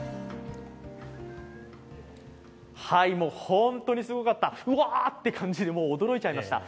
本当にすごかった、うわって感じで驚いちゃいました。